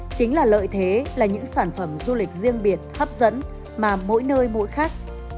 chính là lợi thế là những sản phẩm du lịch riêng biệt hấp dẫn mà mỗi nơi mỗi khác